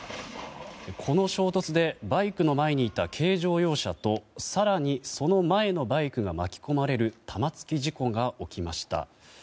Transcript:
この衝突でバイクの前にいた軽乗用車と更にその前のバイクが巻き込まれる玉突き事故が起きました。